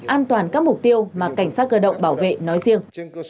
an toàn các mục tiêu mà cảnh sát cơ động bảo vệ nói riêng